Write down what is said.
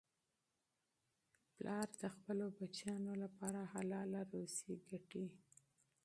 پلار د خپلو بچیانو لپاره حلاله روزي پیدا کوي.